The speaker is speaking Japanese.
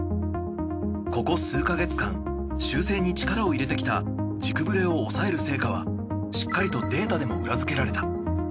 ここ数か月間修正に力を入れてきた軸ブレを抑える成果はしっかりとデータでも裏付けられた。